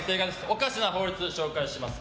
おかしな法律紹介します。